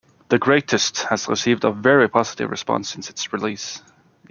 "The Greatest" has received a very positive response since its release.